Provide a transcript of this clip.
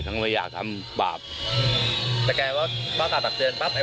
หลับมาทำแบบดี